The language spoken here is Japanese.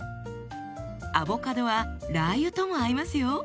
アボカドはラー油とも合いますよ。